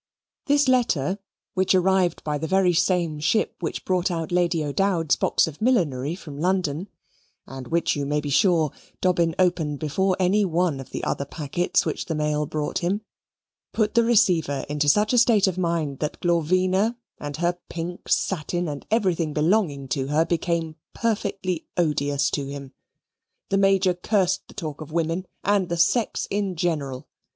This letter, which arrived by the very same ship which brought out Lady O'Dowd's box of millinery from London (and which you may be sure Dobbin opened before any one of the other packets which the mail brought him), put the receiver into such a state of mind that Glorvina, and her pink satin, and everything belonging to her became perfectly odious to him. The Major cursed the talk of women, and the sex in general.